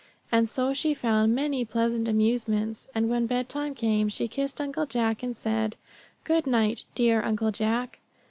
And so she found many pleasant amusements; and when bedtime came she kissed Uncle Jack, and said: "Good night, dear Uncle Jack."